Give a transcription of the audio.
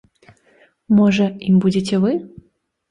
Можа, ім будзеце вы?